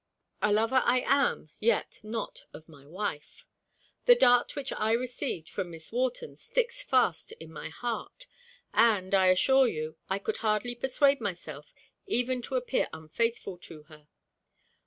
A lover I am, yet not of my wife. The dart which I received from Miss Wharton sticks fast in my heart; and, I assure you, I could hardly persuade myself even to appear unfaithful to her.